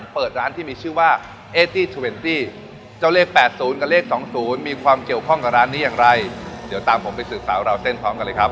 เปิดร้านที่มีชื่อว่าเอตี้ทเวนตี้เจ้าเลข๘๐กับเลข๒๐มีความเกี่ยวข้องกับร้านนี้อย่างไรเดี๋ยวตามผมไปสืบสาวราวเส้นพร้อมกันเลยครับ